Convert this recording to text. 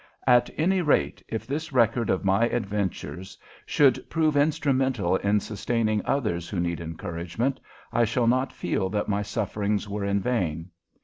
At any rate, if this record of my adventures should prove instrumental in sustaining others who need encouragement, I shall not feel that my sufferings were in vain.